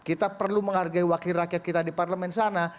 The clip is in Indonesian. kita perlu menghargai wakil rakyat kita di parlemen sana